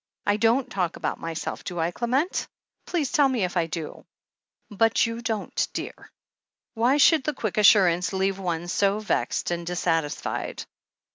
I don't talk about my self, do I, Clement? Please tell me if I do." "But you don't, dear." Why should the quick assurance leave one so vexed and dissatisfied